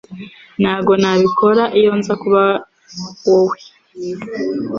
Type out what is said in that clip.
Ntabwo nabikora iyo nza kuba wowe